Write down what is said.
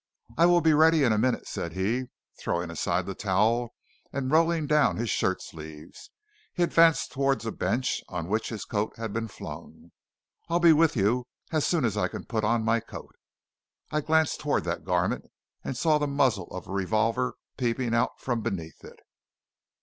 "I will be ready in a minute," said he, throwing aside the towel, and rolling down his shirt sleeves. He advanced toward a bench on which his coat had been flung. "I'll be with you as soon as I can put on my coat." I glanced toward that garment and saw the muzzle of a revolver peeping out from beneath it.